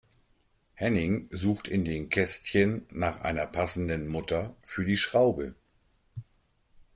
Henning sucht in dem Kästchen nach einer passenden Mutter für die Schraube.